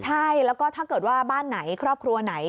ใช่แล้วก็ถ้าเกิดว่าบ้านไหนครอบครัวไหน